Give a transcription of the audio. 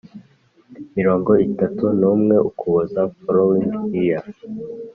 mirongo itatu n umwe Ukuboza following year